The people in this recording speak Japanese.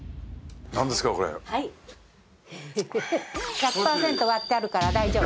１００％割ってあるから大丈夫。